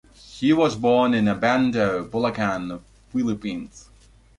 He was born in Obando, Bulacan, Philippines.